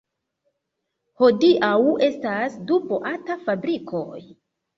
Hodiaŭ estas du boat-fabrikoj.